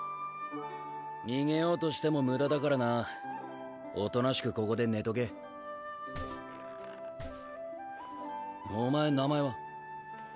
逃げようとしてもムダだからなおとなしくここで寝とけお前名前は？